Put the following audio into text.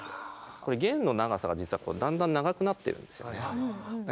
弦の長さが実はだんだん長くなってるんですよね。